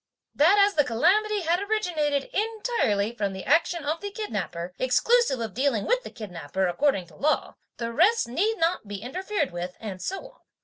That as the calamity had originated entirely from the action of the kidnapper, exclusive of dealing with the kidnapper according to law, the rest need not be interfered with, and so on.